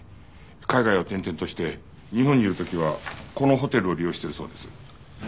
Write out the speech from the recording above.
海外を転々として日本にいる時はこのホテルを利用してるそうです。